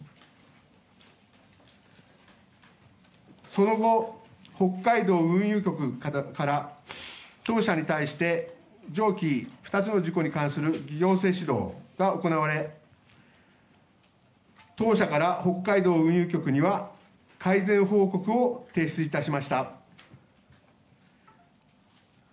その後、北海道運輸局から当社に対して上記２つの事故に関する行政指導が行われ当社から北海道運輸局には改善報告を提出致しました。